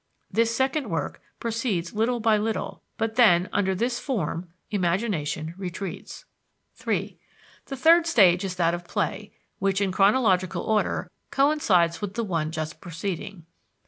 This second work proceeds little by little, but then, under this form, imagination retreats. 3. The third stage is that of play, which, in chronological order, coincides with the one just preceding.